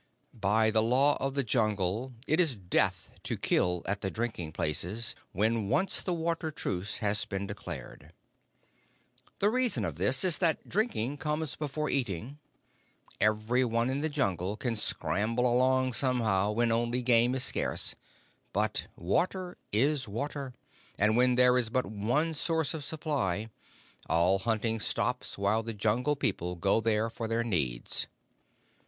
By the Law of the Jungle it is death to kill at the drinking places when once the Water Truce has been declared. The reason of this is that drinking comes before eating. Every one in the Jungle can scramble along somehow when only game is scarce; but water is water, and when there is but one source of supply, all hunting stops while the Jungle People go there for their needs.